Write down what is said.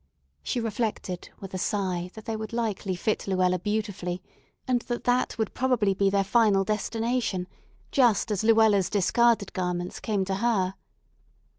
She reflected with a sigh that they would likely fit Luella beautifully, and that that would probably be their final destination, just as Luella's discarded garments came to her.